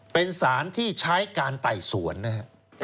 เป็นสารที่ใช้การไต่สวนนะครับ